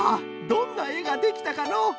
どんなえができたかのう？